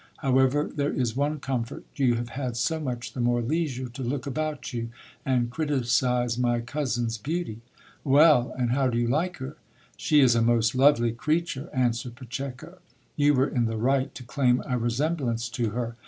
However, there is one comfort, you have had so much the more leisure to look about you, and criticise my cousin's beauty. Well ! and ho v do you like her ? She is a most lovely creature, answered Pacheco. You were in the right to claim a resemblance to her.